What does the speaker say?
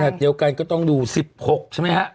เดียวกันก็ต้องดู๑๖ใช่ไหมฮะ